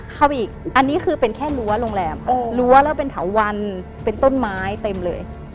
เข้าไปอีกอันนี้คือเป็นแค่รั้วโรงแรมรั้วแล้วเป็นเถาวันเป็นต้นไม้เต็มเลย